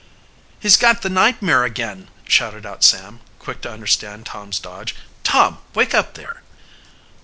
"He's got the nightmare again!" shouted out Sam, quick to understand Tom's dodge. "Tom, wake up there!"